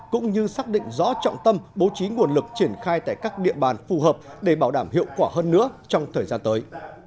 cũng như xác định rõ trọng tâm bố trí nguồn lực triển khai tại các địa bàn phù hợp để bảo đảm hiệu quả hơn nữa trong thời gian tới